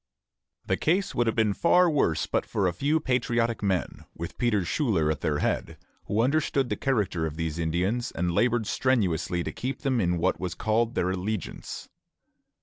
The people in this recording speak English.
The case would have been far worse but for a few patriotic men, with Peter Schuyler at their head, who understood the character of these Indians, and labored strenuously to keep them in what was called their allegiance.